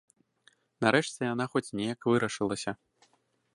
Нарэшце яна хоць неяк вырашылася.